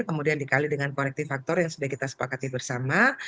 kemudian dikali dengan connective actor yang sudah kita sepakati bersama